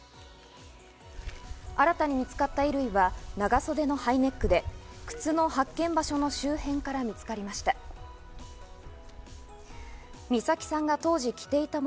新たに見つかった衣類は長袖のハイネックで、靴の発見場所の周辺から見つかりました。